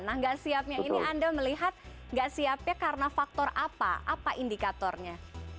nah nggak siapnya ini anda melihat nggak siapnya karena faktor apa apa indikatornya